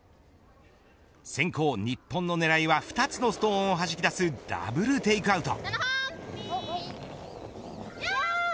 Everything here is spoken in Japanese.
先攻、日本の狙いは２つのストーンをはじき出すダブルテイクアウト。